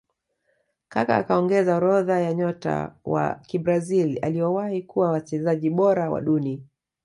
Kaka akaongeza orodha ya nyota wa kibrazil waliowahi kuwa wachezaji bora wa duni